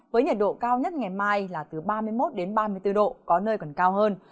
với nhiệt độ cao nhất ngày mai là từ ba mươi một ba mươi bốn độ có nơi còn cao hơn